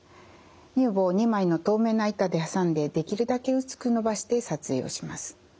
乳房を２枚の透明な板で挟んでできるだけ薄くのばして撮影をします。